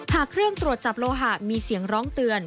หากเครื่องตรวจจับโลหะมีเสียงร้องเตือน